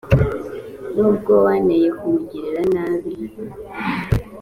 nubwo wanteye kumugirira nabi